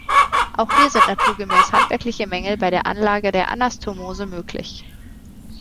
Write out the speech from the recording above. Auch hier sind naturgemäß handwerkliche Mängel bei der Anlage der Anastomose möglich.